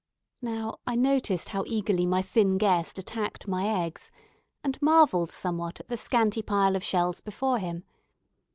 Now, I noticed how eagerly my thin guest attacked my eggs, and marvelled somewhat at the scanty pile of shells before him.